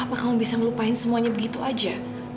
apakah kamu bisa ngelupain semuanya begitu aja